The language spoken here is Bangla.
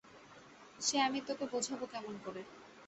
সে আমি তোকে বোঝাব কেমন করে!